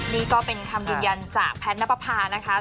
นี่ก็เป็นคำยืนยันจากแพทย์นับประพานะคะ